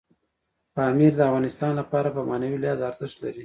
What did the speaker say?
پامیر د افغانانو لپاره په معنوي لحاظ ارزښت لري.